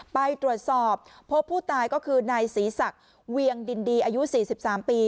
ไปตรวจสอบพบผู้ตายก็คือนายศรีศักดิ์เวียงดินดีอายุ๔๓ปี